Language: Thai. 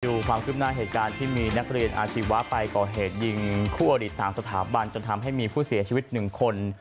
ความคืบหน้าเหตุการณ์ที่มีนักเรียนอาชีวะไปก่อเหตุยิงคู่อดีตต่างสถาบันจนทำให้มีผู้เสียชีวิตหนึ่งคน